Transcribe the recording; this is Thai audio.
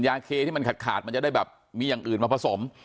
ยาเคที่มันขาดมันจะได้แบบมีอย่างอื่นมาผสม